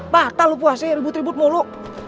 batal lu puasnya ribut ribut mulu